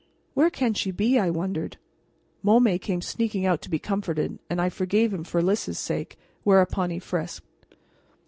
"Where can she be?" I wondered, Môme came sneaking out to be comforted, and I forgave him for Lys's sake, whereupon he frisked.